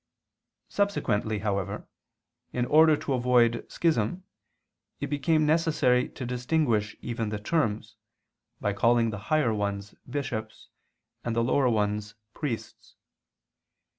Subsequently, however, in order to avoid schism, it became necessary to distinguish even the terms, by calling the higher ones bishops and the lower ones priests.